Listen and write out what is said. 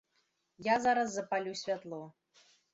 Я зараз запалю святло.